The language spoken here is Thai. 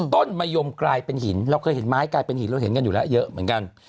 ต้นมะยมกลายเป็นหินเราเคยเห็นไม้กลายเป็นหินเราเห็นกันอยู่แล้วเยอะเหมือนกัน